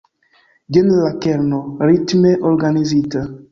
Jen la kerno: ritme organizita.